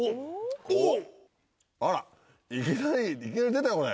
あらいきなりいきなり出たよこれ。